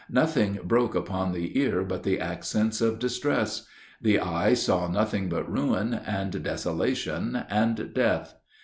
Nothing broke upon the ear but the accents of distress; the eye saw nothing but ruin, and desolation, and death.